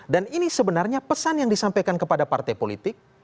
dan ini sebenarnya pesan yang disampaikan kepada partai politik